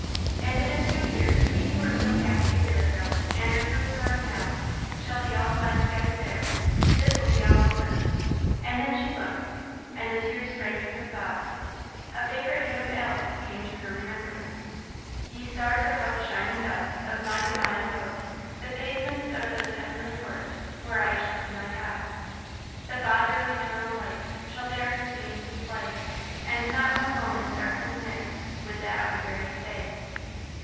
And in a few years, we who were so happy a year ago, and are so sorry now, shall be all glad together there this will be all over! And then as she looked, and the tears sprang to her thoughts, a favourite hymn of Alice's came to her remembrance: "Ye stars are but the shining dust Of my divine abode; The pavements of those heavenly courts Where I shall see my God. "The Father of eternal lights Shall there his beams display; And not one moment's darkness mix With that unvaried day.